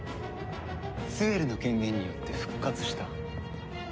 スエルの権限によって復活した。